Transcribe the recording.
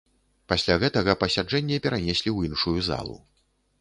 Пасля гэтага пасяджэнне перанеслі ў іншую залу.